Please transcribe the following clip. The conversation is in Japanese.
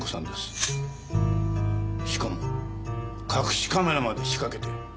しかも隠しカメラまで仕掛けて。